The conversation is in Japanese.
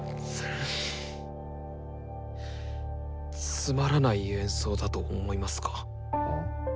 つまらない演奏だと思いますか？